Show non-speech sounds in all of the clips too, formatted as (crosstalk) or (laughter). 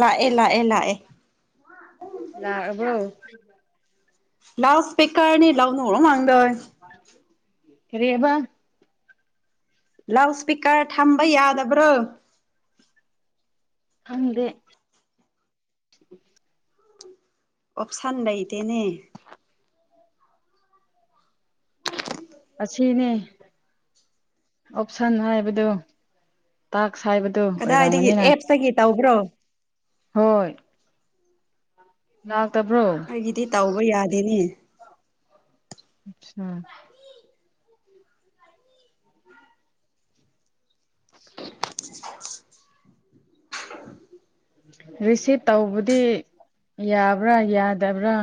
ꯂꯥꯛꯑꯦ ꯂꯥꯛꯑꯦ ꯂꯥꯛꯑꯦ ꯂꯕ꯭ꯔꯣ ꯂꯥꯎ ꯁꯄꯤꯀꯔꯅꯤ ꯂꯥꯎꯅ ꯍꯔꯣ ꯃꯥꯥꯡꯗ ꯀꯔꯤꯕ ꯂꯥꯎꯠ ꯏꯁꯄꯤꯀꯔ ꯊꯝꯕ ꯌꯥꯗꯕ꯭ꯔꯣ ꯍꯪꯗꯦ ꯑꯣꯞꯁꯟ ꯂꯩꯗꯦꯅꯦ ꯑꯁꯤꯅꯦ ꯑꯣꯞꯁꯟ ꯍꯥꯏꯕꯗꯨ ꯇꯥꯛꯁ ꯍꯥꯏꯕꯗꯨ ꯑꯣꯏꯔꯝꯃꯅꯤꯅ ꯁꯒ ꯒꯤ ꯇꯎꯕ꯭ꯔꯣ ꯍꯣꯏ ꯂꯅꯥ ꯇꯕ꯭ꯔꯣ ꯑꯩꯒꯤꯗꯤ ꯇꯧꯕ ꯌꯥꯗꯦꯅꯦ ꯑꯥ ꯔꯤꯁꯤꯞ ꯇꯧꯕꯗꯤ ꯌꯥꯕ꯭ꯔꯥ ꯌꯥꯗꯕ꯭ꯔꯥ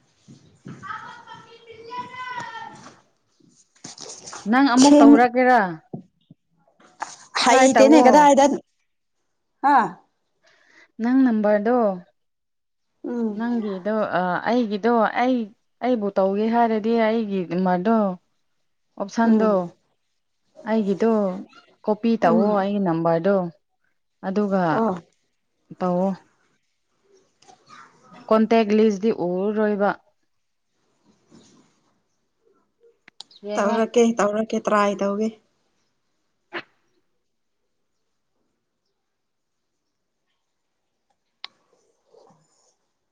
(inaudible) ꯅꯪ ꯑꯃꯨꯛ ꯁꯦꯝ ꯇꯧꯔꯒꯦꯔꯥ ꯇ꯭ꯔꯥꯏ ꯍꯩꯇꯦꯅꯦ ꯀꯗꯥ ꯇꯧꯋꯣ ꯍꯥꯏꯗ ꯑ ꯅꯪ ꯅꯝꯕꯔꯗꯣ ꯎꯝ ꯅꯪꯗꯣ ꯑꯩꯒꯤ ꯑꯗꯣ ꯑꯩ ꯑꯩꯕꯨ ꯇꯧꯒꯦ ꯍꯥꯏꯔꯗꯤ ꯑꯩꯒꯤ ꯃꯗꯣ ꯎꯝ ꯑꯣꯞꯁꯟꯗꯣ ꯑꯩꯒꯤꯗꯣ ꯀꯣꯄꯤ ꯎꯝ ꯇꯧꯋ ꯑꯩꯒꯤ ꯅꯝꯕꯔꯗꯣ ꯑꯗꯨꯒ ꯑꯣ ꯇꯧꯑꯣ ꯀꯣꯟꯇꯦꯛ ꯂꯤꯁꯇꯤ ꯎꯔꯔꯣꯏꯕ ꯌꯦꯡꯉꯣ ꯇꯧꯔꯛꯀꯦ ꯇꯧꯔꯛꯀꯦ ꯇꯔꯥꯏ ꯇꯧꯒꯦ